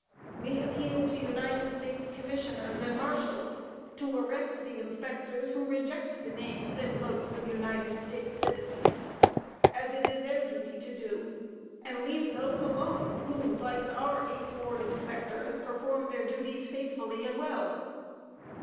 We appeal to United States commissioners and marshals to arrest the inspectors who reject the names and votes of United States citizens, as it is their duty to do, and leave those alone who, like our eighth ward inspectors, perform their duties faithfully and well.